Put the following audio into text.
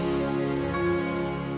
sampai jumpa lagi